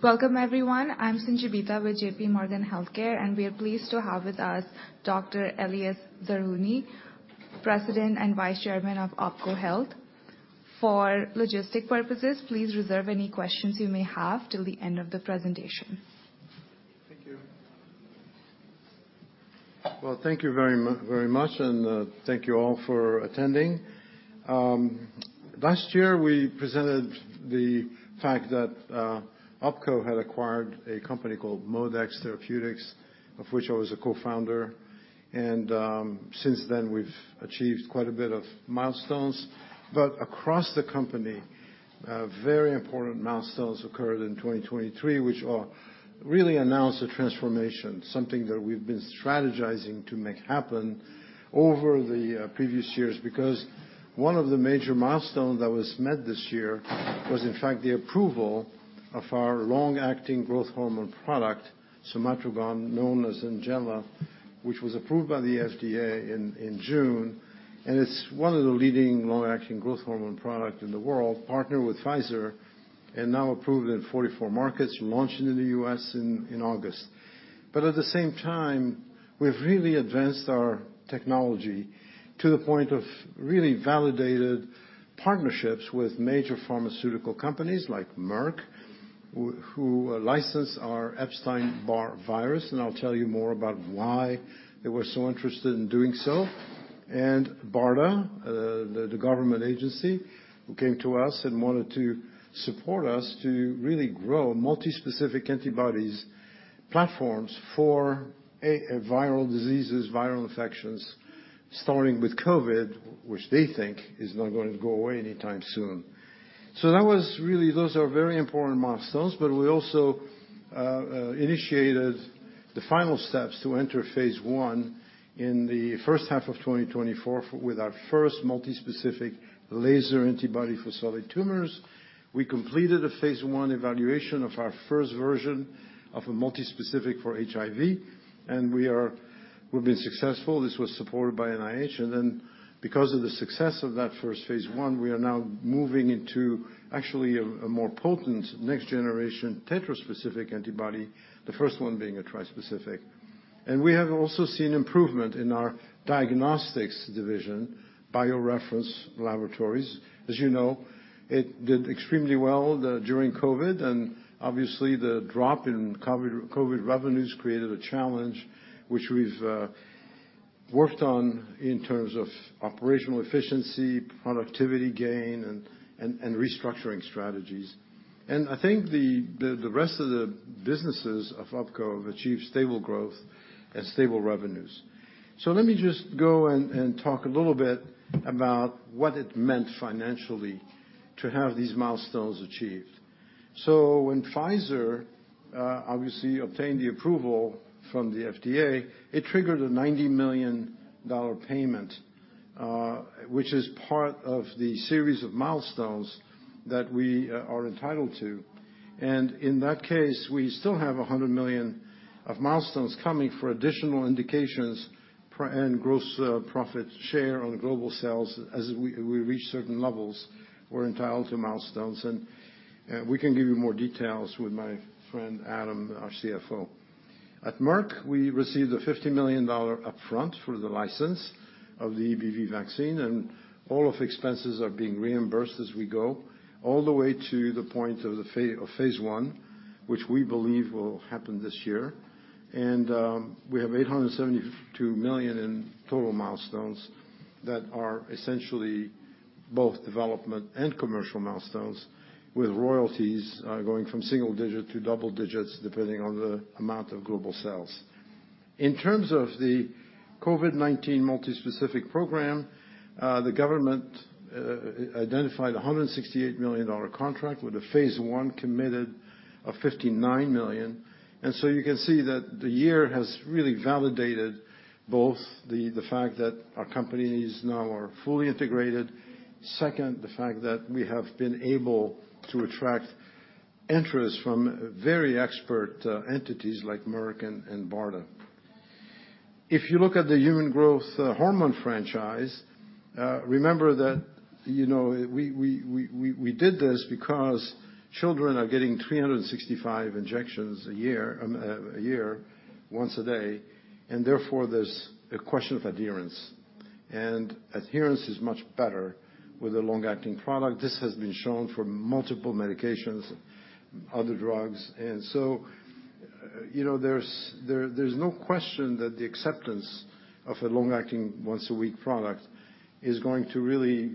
Welcome, everyone. I'm Sanjibita with JPMorgan Healthcare, and we are pleased to have with us Dr. Elias Zerhouni, President and Vice Chairman of OPKO Health. For logistic purposes, please reserve any questions you may have till the end of the presentation. Thank you. Well, thank you very much, and thank you all for attending. Last year, we presented the fact that OPKO had acquired a company called ModeX Therapeutics, of which I was a co-founder, and since then, we've achieved quite a bit of milestones. But across the company, very important milestones occurred in 2023, which really announced a transformation, something that we've been strategizing to make happen over the previous years. Because one of the major milestones that was met this year was in fact the approval of our long-acting growth hormone product, somatrogon, known as NGENLA, which was approved by the FDA in June, and it's one of the leading long-acting growth hormone products in the world, partnered with Pfizer, and now approved in 44 markets, launching in the US in August. But at the same time, we've really advanced our technology to the point of really validated partnerships with major pharmaceutical companies like Merck, who licensed our Epstein-Barr virus, and I'll tell you more about why they were so interested in doing so. And BARDA, the government agency, who came to us and wanted to support us to really grow multi-specific antibodies platforms for a viral diseases, viral infections, starting with COVID, which they think is not going to go away anytime soon. So that was really... Those are very important milestones, but we also initiated the final steps to enter phase I in the first half of 2024 with our first multi-specific LASER antibody for solid tumors. We completed a phase I evaluation of our first version of a multi-specific for HIV, and we are- we've been successful. This was supported by NIH, and then because of the success of that first phase I, we are now moving into actually a more potent next-generation tetraspecific antibody, the first one being a trispecific. And we have also seen improvement in our diagnostics division, BioReference Laboratories. As you know, it did extremely well during COVID, and obviously, the drop in COVID revenues created a challenge, which we've worked on in terms of operational efficiency, productivity gain, and restructuring strategies. And I think the rest of the businesses of OPKO have achieved stable growth and stable revenues. So let me just go and talk a little bit about what it meant financially to have these milestones achieved. So when Pfizer obviously obtained the approval from the FDA, it triggered a $90 million payment, which is part of the series of milestones that we are entitled to. And in that case, we still have $100 million of milestones coming for additional indications and gross profit share on global sales. As we reach certain levels, we're entitled to milestones, and we can give you more details with my friend, Adam, our CFO. At Merck, we received a $50 million upfront for the license of the EBV vaccine, and all of the expenses are being reimbursed as we go, all the way to the point of phase I, which we believe will happen this year. We have $872 million in total milestones that are essentially both development and commercial milestones, with royalties going from single-digit to double-digit, depending on the amount of global sales. In terms of the COVID-19 multispecific program, the government identified a $168 million contract, with the phase I committed of $59 million. So you can see that the year has really validated both the fact that our companies now are fully integrated, second, the fact that we have been able to attract interest from very expert entities like Merck and BARDA. If you look at the human growth hormone franchise, remember that, you know, we did this because children are getting 365 injections a year, a year, once a day, and therefore, there's a question of adherence. And adherence is much better with a long-acting product. This has been shown for multiple medications, other drugs, and so, you know, there's no question that the acceptance of a long-acting, once-a-week product is going to really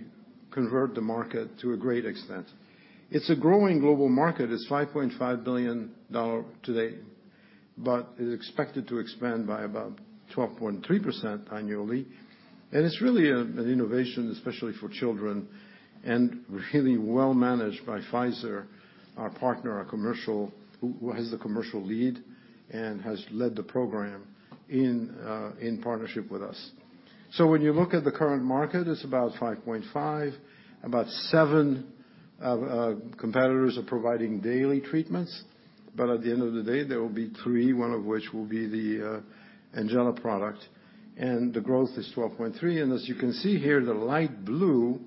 convert the market to a great extent. It's a growing global market. It's $5.5 billion today, but it's expected to expand by about 12.3% annually. And it's really an innovation, especially for children, and really well-managed by Pfizer, our partner, our commercial... who, who has the commercial lead and has led the program in, in partnership with us. So when you look at the current market, it's about 5.5. About seven competitors are providing daily treatments, but at the end of the day, there will be three, one of which will be the, uh, NGENLA product, and the growth is 12.3. And as you can see here, the light blue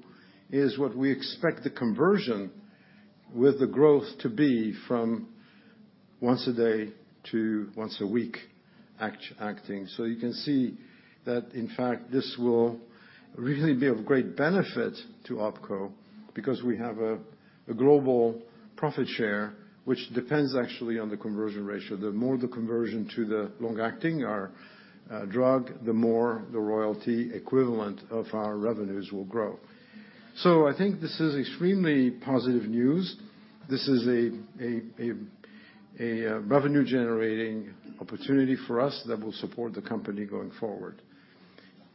is what we expect the conversion with the growth to be from once a day to once a week acting. So you can see that, in fact, this will really be of great benefit to OPKO because we have a global profit share, which depends actually on the conversion ratio. The more the conversion to the long-acting our drug, the more the royalty equivalent of our revenues will grow. So I think this is extremely positive news. This is a revenue-generating opportunity for us that will support the company going forward.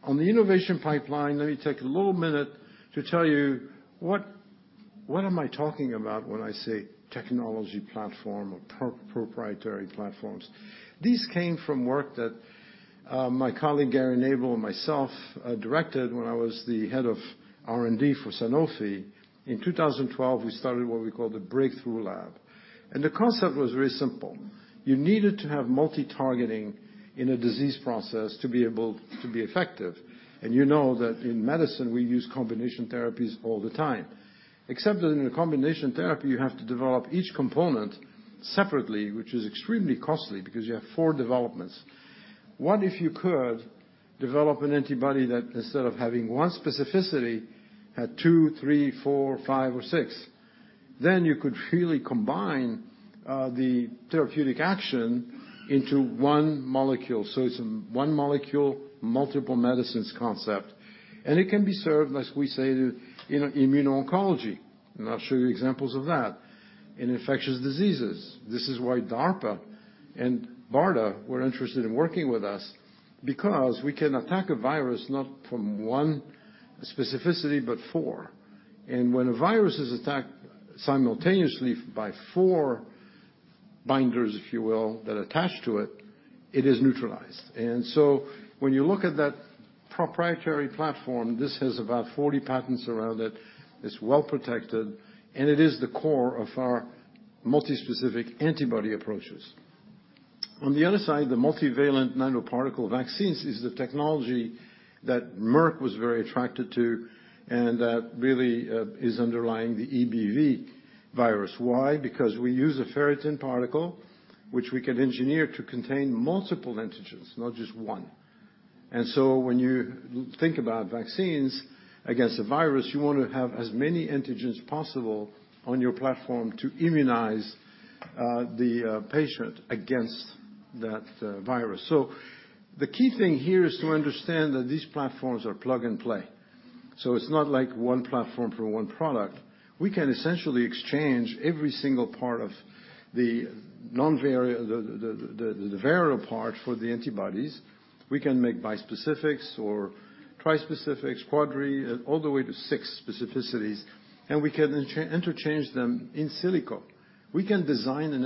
On the innovation pipeline, let me take a little minute to tell you what am I talking about when I say technology platform or proprietary platforms? These came from work that my colleague, Gary Nabel, and myself directed when I was the head of R&D for Sanofi. In 2012, we started what we call the Breakthrough Lab, and the concept was very simple: You needed to have multi-targeting in a disease process to be able to be effective. You know that in medicine, we use combination therapies all the time. Except that in a combination therapy, you have to develop each component separately, which is extremely costly because you have four developments. What if you could develop an antibody that, instead of having one specificity, had two, three, four, five, or six? Then you could really combine the therapeutic action into one molecule. So it's one molecule, multiple medicines concept, and it can be served, as we say, in immune oncology, and I'll show you examples of that, in infectious diseases. This is why DARPA and BARDA were interested in working with us because we can attack a virus not from one specificity, but four. And when a virus is attacked simultaneously by four binders, if you will, that attach to it, it is neutralized. So when you look at that proprietary platform, this has about 40 patents around it. It's well protected, and it is the core of our multispecific antibody approaches. On the other side, the multivalent nanoparticle vaccines is the technology that Merck was very attracted to, and that really is underlying the EBV virus. Why? Because we use a ferritin particle, which we can engineer to contain multiple antigens, not just one. And so when you think about vaccines against a virus, you want to have as many antigens as possible on your platform to immunize the patient against that virus. So the key thing here is to understand that these platforms are plug and play, so it's not like one platform for one product. We can essentially exchange every single part of the non-variable, the variable part for the antibodies. We can make bispecifics or trispecifics, quadri, all the way to six specificities, and we can interchange them in silico. We can design an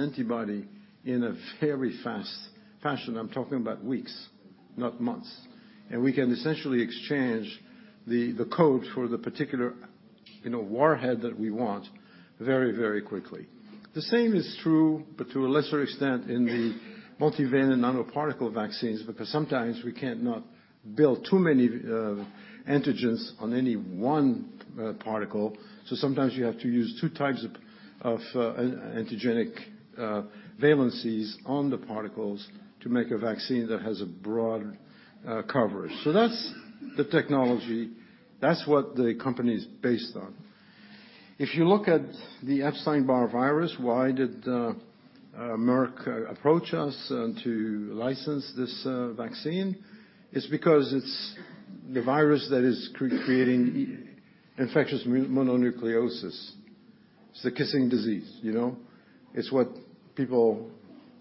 antibody in a very fast fashion. I'm talking about weeks, not months. And we can essentially exchange the code for the particular, you know, warhead that we want very, very quickly. The same is true, but to a lesser extent, in the multivalent nanoparticle vaccines, because sometimes we can't not build too many antigens on any one particle, so sometimes you have to use two types of antigenic valencies on the particles to make a vaccine that has a broad coverage. So that's the technology. That's what the company is based on. If you look at the Epstein-Barr virus, why did Merck approach us to license this vaccine? It's because it's the virus that is creating infectious mononucleosis. It's the kissing disease, you know? It's what people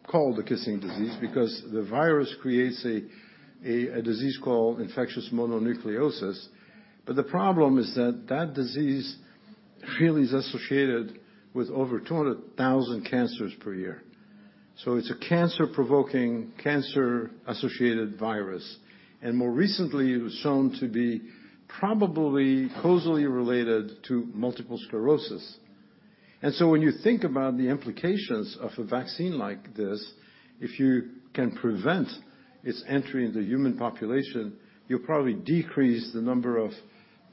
call the kissing disease, because the virus creates a disease called infectious mononucleosis. The problem is that that disease really is associated with over 200,000 cancers per year. So it's a cancer-provoking, cancer-associated virus, and more recently, it was shown to be probably closely related to multiple sclerosis. And so when you think about the implications of a vaccine like this, if you can prevent its entry into the human population, you'll probably decrease the number of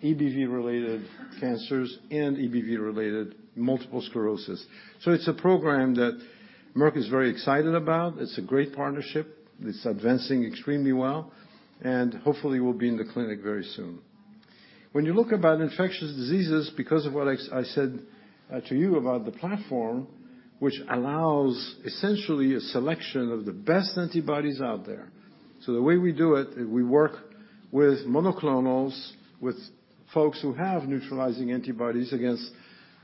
EBV-related cancers and EBV-related multiple sclerosis. So it's a program that Merck is very excited about. It's a great partnership. It's advancing extremely well, and hopefully, will be in the clinic very soon. When you look about infectious diseases, because of what I, I said, to you about the platform, which allows essentially a selection of the best antibodies out there. So the way we do it is we work with monoclonals, with folks who have neutralizing antibodies against,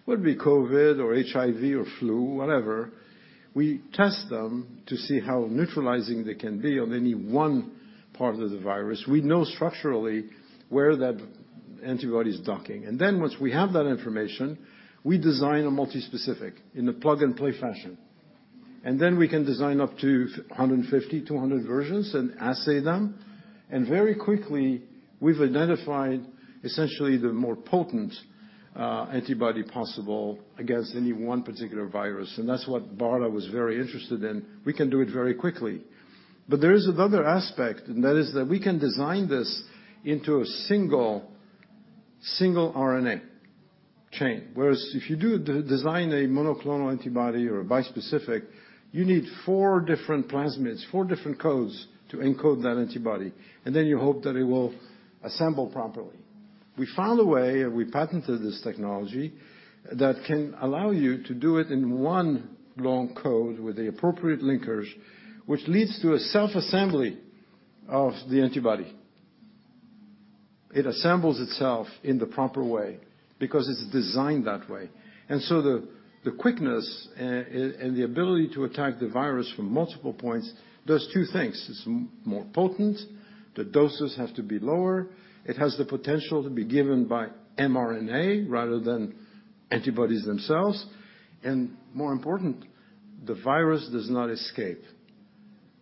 whether it be COVID or HIV or flu, whatever. We test them to see how neutralizing they can be on any one part of the virus. We know structurally where that antibody is docking, and then once we have that information, we design a multispecific in a plug-and-play fashion. And then we can design up to 150, 200 versions and assay them. And very quickly, we've identified essentially the more potent antibody possible against any one particular virus, and that's what BARDA was very interested in. We can do it very quickly. But there is another aspect, and that is that we can design this into a single, single RNA chain. Whereas if you do design a monoclonal antibody or a bispecific, you need four different plasmids, four different codes to encode that antibody, and then you hope that it will assemble properly. We found a way, and we patented this technology, that can allow you to do it in one long code with the appropriate linkers, which leads to a self-assembly of the antibody. It assembles itself in the proper way because it's designed that way. And so the quickness and the ability to attack the virus from multiple points does two things: It's more potent, the doses have to be lower, it has the potential to be given by mRNA rather than antibodies themselves, and more important, the virus does not escape.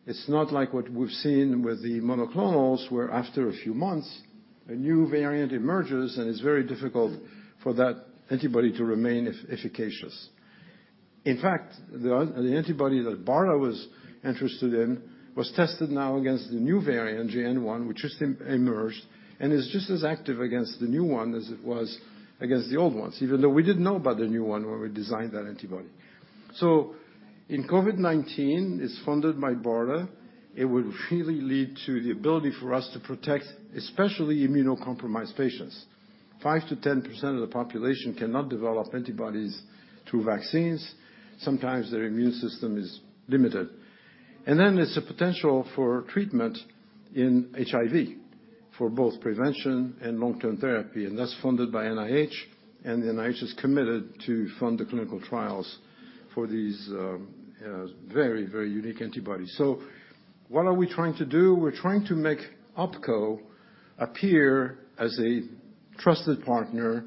It's not like what we've seen with the monoclonals, where after a few months, a new variant emerges, and it's very difficult for that antibody to remain efficacious. In fact, the antibody that BARDA was interested in was tested now against the new variant, JN.1, which just emerged, and is just as active against the new one as it was against the old ones, even though we didn't know about the new one when we designed that antibody. So in COVID-19, it's funded by BARDA. It will really lead to the ability for us to protect, especially immunocompromised patients. 5%-10% of the population cannot develop antibodies through vaccines. Sometimes their immune system is limited. Then there's a potential for treatment in HIV, for both prevention and long-term therapy, and that's funded by NIH, and the NIH is committed to fund the clinical trials for these, very, very unique antibodies. So what are we trying to do? We're trying to make OPKO appear as a trusted partner,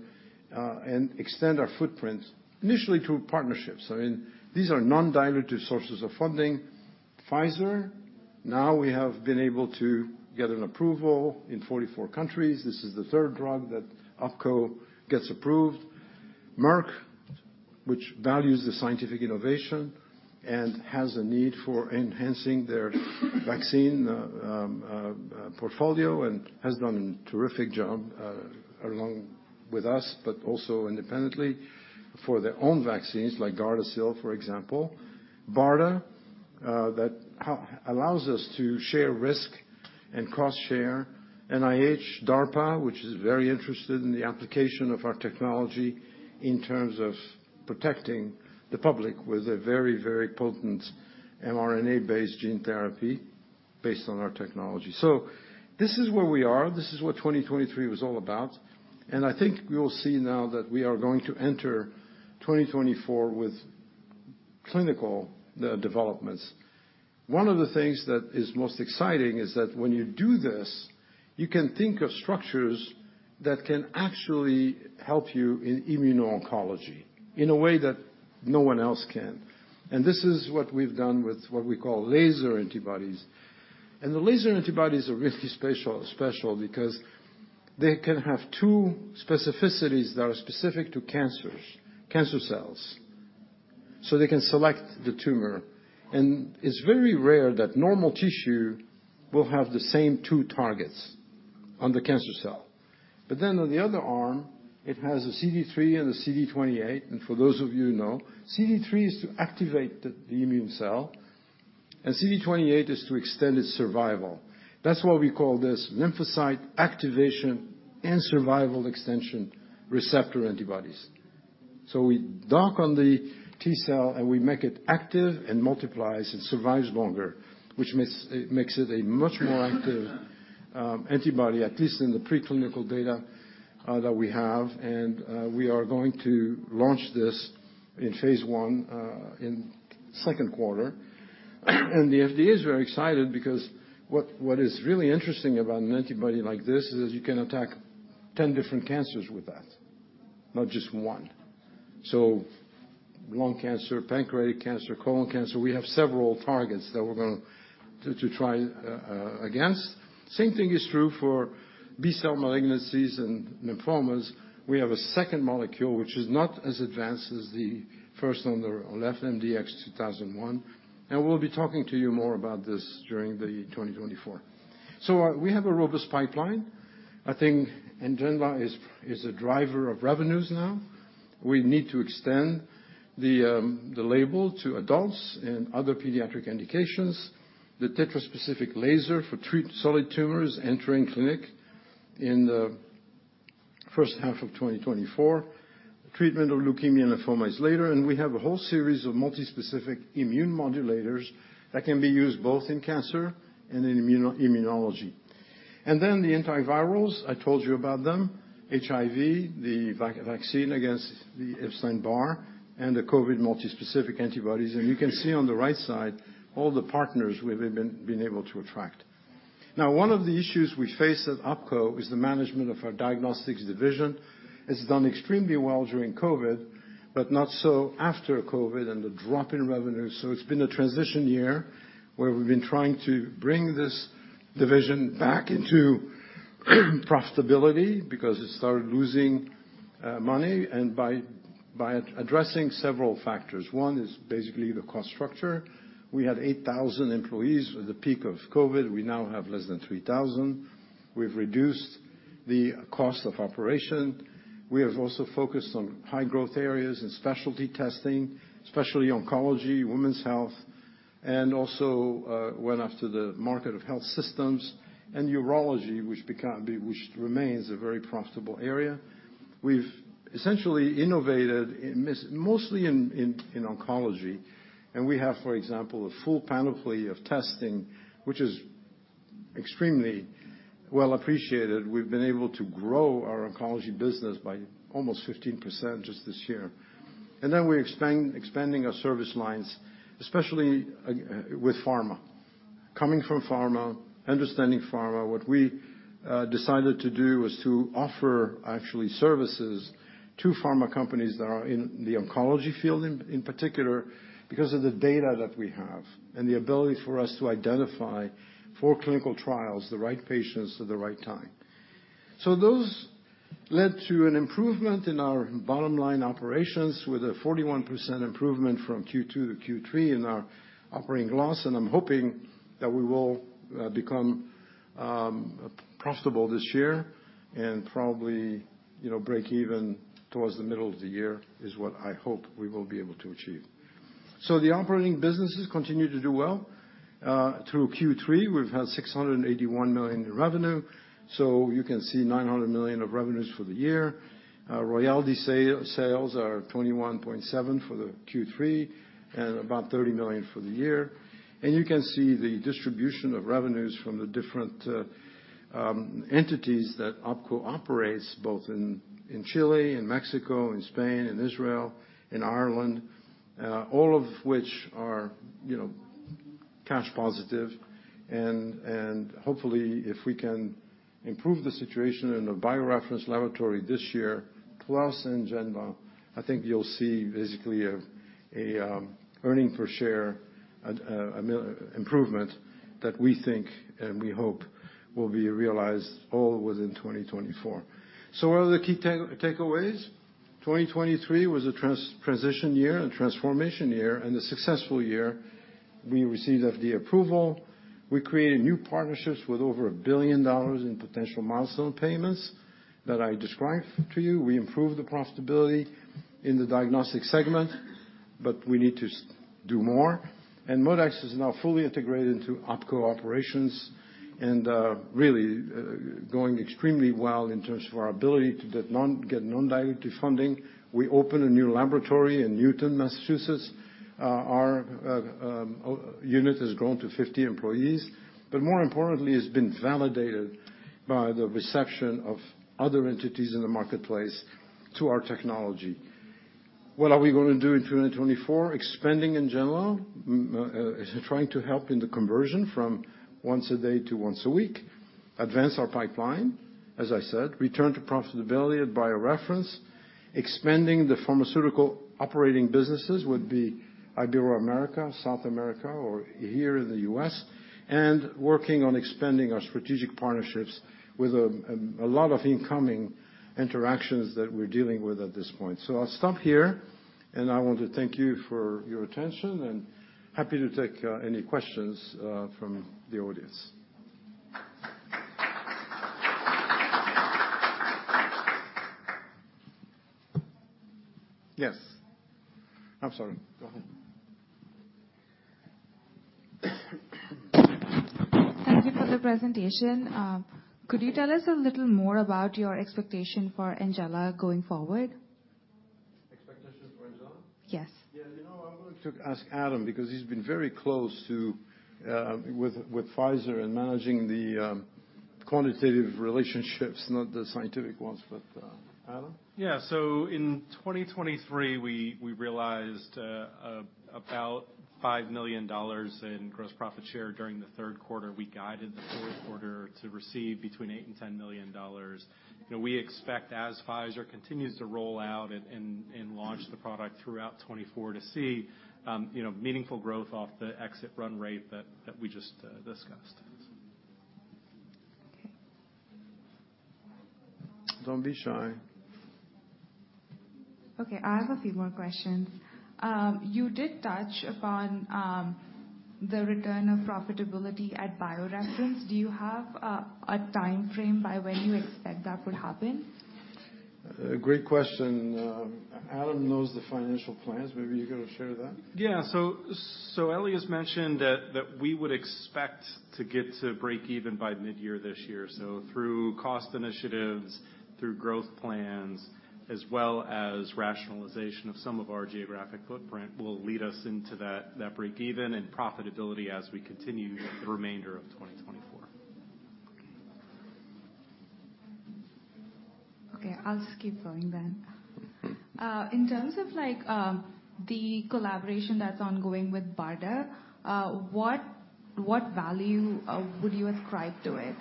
and extend our footprint initially through partnerships. I mean, these are non-dilutive sources of funding. Pfizer, now we have been able to get an approval in 44 countries. This is the third drug that OPKO gets approved. Merck, which values the scientific innovation and has a need for enhancing their vaccine, portfolio, and has done a terrific job, along with us, but also independently for their own vaccines, like Gardasil, for example. BARDA, that allows us to share risk and cost share. NIH, DARPA, which is very interested in the application of our technology in terms of protecting the public with a very, very potent mRNA-based gene therapy based on our technology. So this is where we are. This is what 2023 was all about, and I think you will see now that we are going to enter 2024 with clinical developments. One of the things that is most exciting is that when you do this, you can think of structures that can actually help you in immuno-oncology, in a way that no one else can. And this is what we've done with what we call LASER antibodies. And the LASER antibodies are really special, special because they can have two specificities that are specific to cancers, cancer cells, so they can select the tumor. It's very rare that normal tissue will have the same two targets on the cancer cell. But then on the other arm, it has a CD3 and a CD28, and for those of you who know, CD3 is to activate the immune cell, and CD28 is to extend its survival. That's why we call this lymphocyte activation and survival extension receptor antibodies. So we dock on the T cell, and we make it active and multiplies and survives longer, which makes it a much more active antibody, at least in the preclinical data that we have. We are going to launch this in phase I in second quarter. The FDA is very excited because what is really interesting about an antibody like this is, you can attack 10 different cancers with that, not just one. So lung cancer, pancreatic cancer, colon cancer, we have several targets that we're gonna to try against. Same thing is true for B-cell malignancies and lymphomas. We have a second molecule, which is not as advanced as the first on the left, MDX-2001, and we'll be talking to you more about this during 2024. So we have a robust pipeline. I think NGENLA is a driver of revenues now. We need to extend the label to adults and other pediatric indications. The tetraspecific LASER for treating solid tumors entering clinic in the first half of 2024. Treatment of leukemia and lymphomas later, and we have a whole series of multispecific immune modulators that can be used both in cancer and in immunology. And then the antivirals, I told you about them, HIV, the vaccine against the Epstein-Barr, and the COVID multispecific antibodies. And you can see on the right side, all the partners we've been able to attract. Now, one of the issues we face at OPKO is the management of our diagnostics division. It's done extremely well during COVID, but not so after COVID and the drop in revenue. So it's been a transition year, where we've been trying to bring this division back into profitability, because it started losing money. And by addressing several factors. One is basically the cost structure. We had 8,000 employees at the peak of COVID, we now have less than 3,000. We've reduced the cost of operation. We have also focused on high-growth areas in specialty testing, especially oncology, women's health, and also went after the market of health systems and urology, which remains a very profitable area. We've essentially innovated in this, mostly in oncology, and we have, for example, a full panoply of testing, which is extremely well appreciated. We've been able to grow our oncology business by almost 15% just this year. And then we're expanding our service lines, especially with pharma. Coming from pharma, understanding pharma, what we decided to do was to offer actually services to pharma companies that are in the oncology field, in particular, because of the data that we have, and the ability for us to identify, for clinical trials, the right patients at the right time. So those led to an improvement in our bottom-line operations, with a 41% improvement from Q2 to Q3 in our operating loss, and I'm hoping that we will become profitable this year and probably, you know, break even towards the middle of the year, is what I hope we will be able to achieve. So the operating businesses continue to do well. Through Q3, we've had $681 million in revenue, so you can see $900 million of revenues for the year. Royalty sales are $21.7 million for the Q3, and about $30 million for the year. And you can see the distribution of revenues from the different entities that OPKO operates, both in Chile, in Mexico, in Spain, in Israel, in Ireland, all of which are, you know, cash positive. Hopefully, if we can improve the situation in the BioReference Laboratory this year, plus NGENLA, I think you'll see basically a earnings per share, a million improvement that we think and we hope will be realized all within 2024. So what are the key takeaways? 2023 was a transition year, a transformation year, and a successful year. We received FDA approval. We created new partnerships with over $1 billion in potential milestone payments that I described to you. We improved the profitability in the diagnostic segment, but we need to do more. And ModeX is now fully integrated into OPKO operations and really going extremely well in terms of our ability to get non-dilutive funding. We opened a new laboratory in Newton, Massachusetts. Our unit has grown to 50 employees, but more importantly, it's been validated by the reception of other entities in the marketplace to our technology. What are we gonna do in 2024? Expanding NGENLA, trying to help in the conversion from once a day to once a week. Advance our pipeline, as I said. Return to profitability at BioReference. Expanding the pharmaceutical operating businesses, would be Iberoamerica, South America, or here in the U.S., and working on expanding our strategic partnerships with a lot of incoming interactions that we're dealing with at this point. So I'll stop here, and I want to thank you for your attention, and happy to take any questions from the audience. Yes? I'm sorry, go ahead. Thank you for the presentation. Could you tell us a little more about your expectation for NGENLA going forward? Expectations for NGENLA? Yes. Yeah, you know, I'm going to ask Adam, because he's been very close to with Pfizer and managing the quantitative relationships, not the scientific ones, but Adam? Yeah. So in 2023, we realized about $5 million in gross profit share during the third quarter. We guided the fourth quarter to receive between $8 million and $10 million. You know, we expect, as Pfizer continues to roll out and launch the product throughout 2024, to see, you know, meaningful growth off the exit run rate that we just discussed. Okay. Don't be shy. Okay, I have a few more questions. You did touch upon the return of profitability at BioReference. Do you have a timeframe by when you expect that would happen? Great question. Adam knows the financial plans. Maybe you're gonna share that? Yeah. So Elias mentioned that we would expect to get to break even by midyear this year. So through cost initiatives, through growth plans, as well as rationalization of some of our geographic footprint, will lead us into that break even and profitability as we continue the remainder of 2024. Okay. Okay, I'll just keep going then. In terms of like, the collaboration that's ongoing with BARDA, what value would you ascribe to it?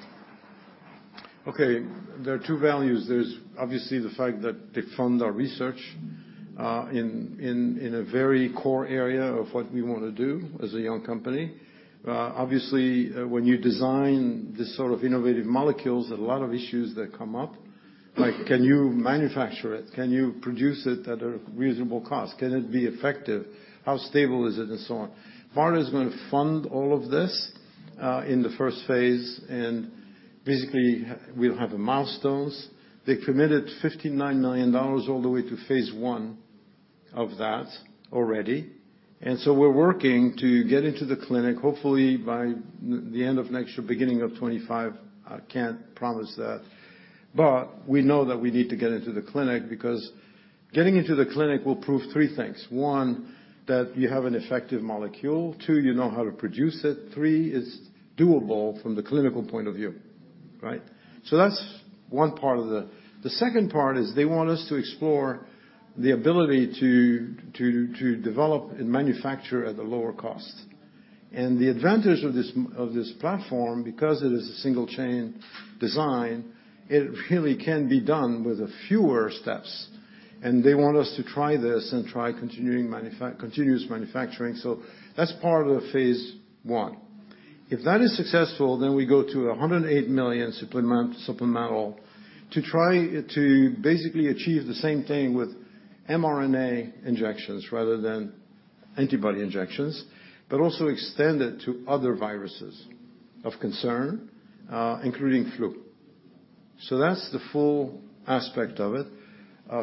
Okay, there are two values. There's obviously the fact that they fund our research in a very core area of what we wanna do as a young company. Obviously, when you design these sort of innovative molecules, there are a lot of issues that come up. Like, can you manufacture it? Can you produce it at a reasonable cost? Can it be effective? How stable is it, and so on? BARDA is going to fund all of this in the first phase, and basically, we'll have milestones. They committed $59 million all the way to phase I of that already, and so we're working to get into the clinic, hopefully by the end of next year, beginning of 2025. I can't promise that. But we know that we need to get into the clinic because getting into the clinic will prove three things: one, that you have an effective molecule, two, you know how to produce it, three, it's doable from the clinical point of view, right? So that's one part of the... The second part is they want us to explore the ability to develop and manufacture at a lower cost. And the advantage of this, of this platform, because it is a single-chain design, it really can be done with a fewer steps, and they want us to try this and try continuous manufacturing. So that's part of the phase I. If that is successful, then we go to $108 million supplemental to try to basically achieve the same thing with mRNA injections rather than antibody injections, but also extend it to other viruses of concern, including flu. So that's the full aspect of it.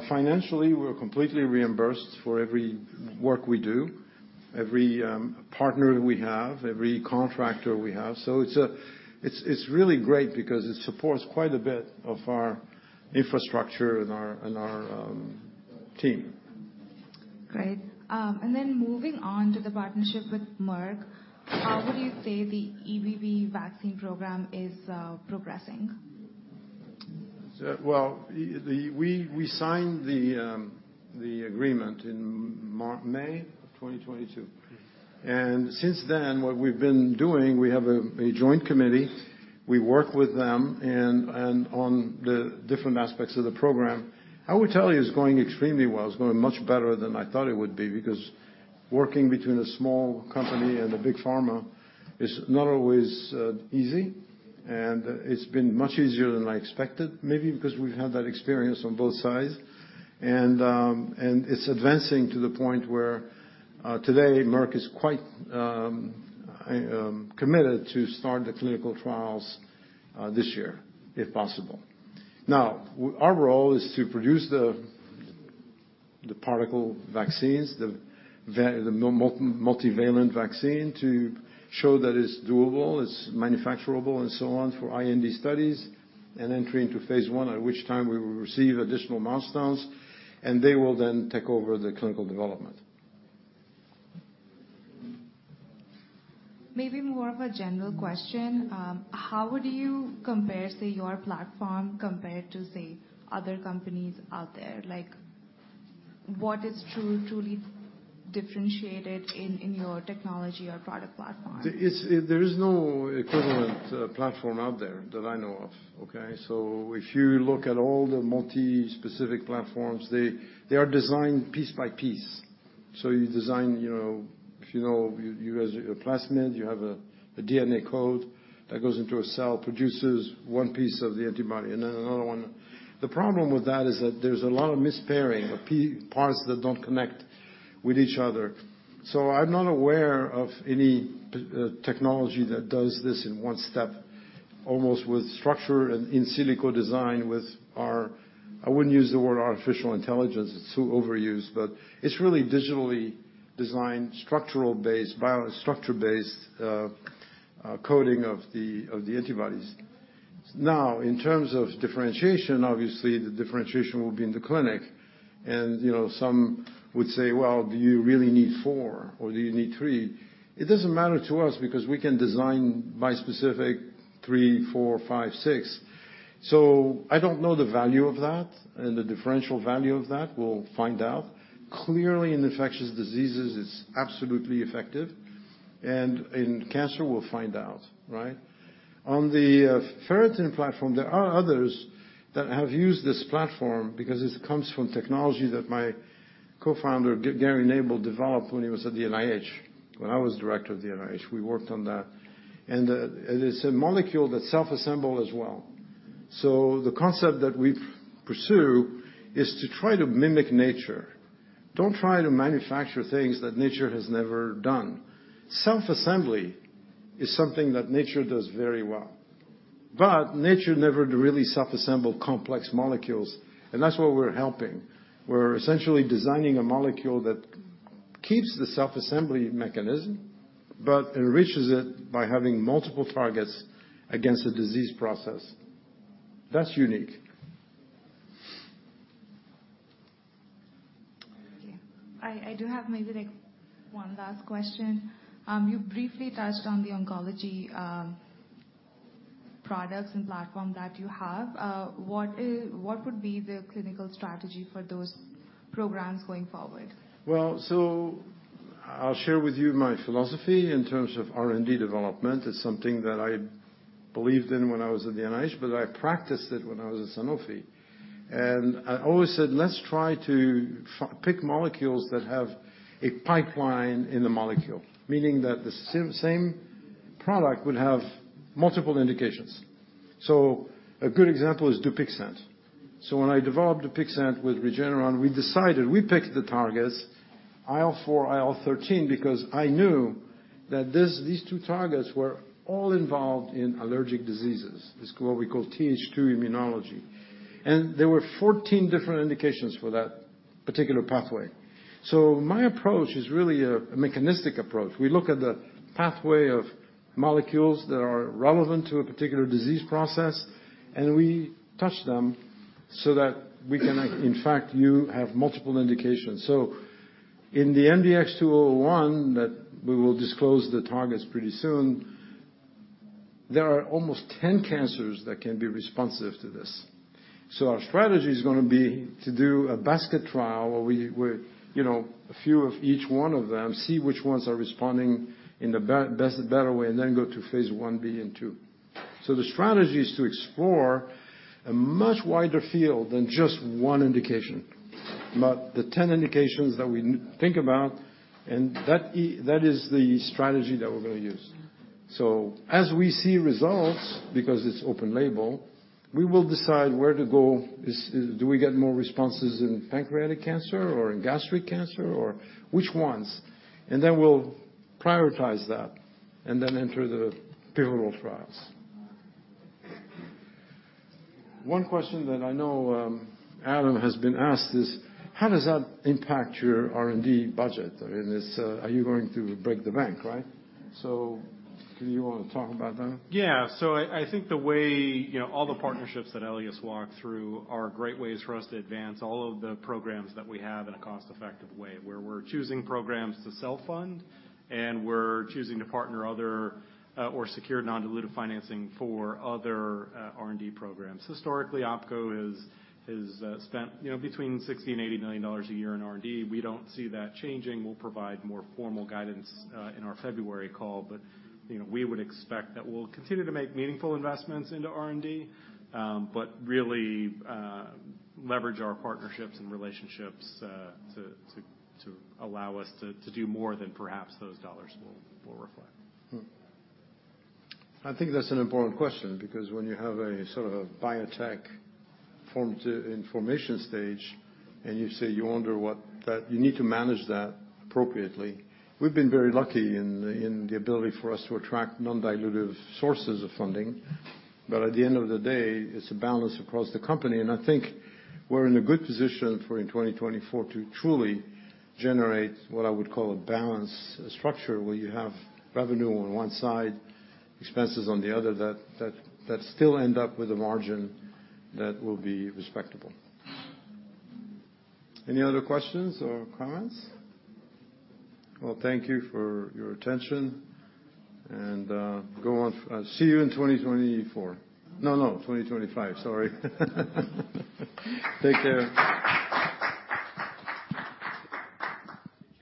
Financially, we're completely reimbursed for every work we do, every partner we have, every contractor we have. So it's really great because it supports quite a bit of our infrastructure and our team. Great. And then moving on to the partnership with Merck, how would you say the EBV vaccine program is progressing? Well, we signed the agreement in May of 2022. And since then, what we've been doing, we have a joint committee. We work with them and on the different aspects of the program. I would tell you, it's going extremely well. It's going much better than I thought it would be, because working between a small company and a big pharma is not always easy, and it's been much easier than I expected, maybe because we've had that experience on both sides. And it's advancing to the point where today, Merck is quite committed to start the clinical trials this year, if possible. Now, our role is to produce the particle vaccines, the multivalent vaccine, to show that it's doable, it's manufacturable, and so on, for IND studies, and then enter into phase I, at which time we will receive additional milestones, and they will then take over the clinical development. Maybe more of a general question. How would you compare, say, your platform compared to, say, other companies out there? Like, what is truly differentiated in your technology or product platform? There is no equivalent platform out there that I know of, okay? So if you look at all the multi-specific platforms, they are designed piece by piece. So you design, you know, if you know, you have a plasmid, you have a DNA code that goes into a cell, produces one piece of the antibody, and then another one. The problem with that is that there's a lot of mispairing parts that don't connect with each other. So I'm not aware of any technology that does this in one step, almost with structure and in silico design with our... I wouldn't use the word artificial intelligence. It's too overused, but it's really digitally designed, structure-based coding of the antibodies. Now, in terms of differentiation, obviously, the differentiation will be in the clinic, and, you know, some would say, "Well, do you really need four, or do you need three?" It doesn't matter to us because we can design bispecific three, four, five, six. So I don't know the value of that and the differential value of that. We'll find out. Clearly, in infectious diseases, it's absolutely effective, and in cancer, we'll find out, right? On the ferritin platform, there are others that have used this platform because this comes from technology that my co-founder, Gary Nabel, developed when he was at the NIH. When I was director of the NIH, we worked on that. And, it is a molecule that self-assemble as well. So the concept that we pursue is to try to mimic nature. Don't try to manufacture things that nature has never done. Self-assembly is something that nature does very well, but nature never really self-assembled complex molecules, and that's what we're helping. We're essentially designing a molecule that keeps the self-assembly mechanism but enriches it by having multiple targets against the disease process. That's unique. Okay. I do have maybe, like, one last question. You briefly touched on the oncology products and platform that you have. What would be the clinical strategy for those programs going forward? Well, so I'll share with you my philosophy in terms of R&D development. It's something that I believed in when I was at the NIH, but I practiced it when I was at Sanofi. And I always said, "Let's try to pick molecules that have a pipeline in the molecule." Meaning that the same product will have multiple indications. So a good example is Dupixent. So when I developed Dupixent with Regeneron, we decided, we picked the targets, IL-4, IL-13, because I knew that these two targets were all involved in allergic diseases, this what we call Th2 immunology. And there were 14 different indications for that particular pathway. So my approach is really a mechanistic approach. We look at the pathway of molecules that are relevant to a particular disease process, and we touch them so that we can, in fact, you have multiple indications. So in the MDX-2001, that we will disclose the targets pretty soon, there are almost 10 cancers that can be responsive to this. So our strategy is gonna be to do a basket trial, where we you know a few of each one of them, see which ones are responding in the best, better way, and then go to phase I-B and 2. So the strategy is to explore a much wider field than just one indication. But the 10 indications that we think about, and that that is the strategy that we're gonna use. So as we see results, because it's open label, we will decide where to go. Do we get more responses in pancreatic cancer or in gastric cancer, or which ones? And then we'll prioritize that and then enter the pivotal trials. One question that I know Adam has been asked is: how does that impact your R&D budget? I mean, are you going to break the bank, right? So do you wanna talk about that? Yeah. So I think the way, you know, all the partnerships that Elias walked through are great ways for us to advance all of the programs that we have in a cost-effective way, where we're choosing programs to self-fund, and we're choosing to partner other or secure non-dilutive financing for other R&D programs. Historically, OPKO has spent, you know, between $60 million and $80 million a year in R&D. We don't see that changing. We'll provide more formal guidance in our February call. But, you know, we would expect that we'll continue to make meaningful investments into R&D, but really leverage our partnerships and relationships to allow us to do more than perhaps those dollars will reflect. Hmm. I think that's an important question, because when you have a sort of a biotech formation stage, and you say you wonder what that... You need to manage that appropriately. We've been very lucky in the ability for us to attract non-dilutive sources of funding. But at the end of the day, it's a balance across the company, and I think we're in a good position for in 2024 to truly generate what I would call a balanced structure, where you have revenue on one side, expenses on the other, that still end up with a margin that will be respectable. Any other questions or comments? Well, thank you for your attention, and go on. I'll see you in 2024. No, no, 2025. Sorry. Take care.